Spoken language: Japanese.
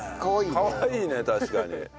かわいいね確かに。